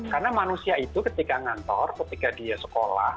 karena manusia itu ketika ngantor ketika dia sekolah